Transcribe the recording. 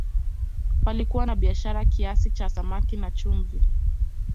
palikuwa na biashara kiasi cha samaki na chumvi